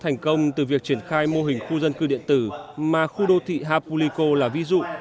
thành công từ việc triển khai mô hình khu dân cư điện tử mà khu đô thị hapulico là ví dụ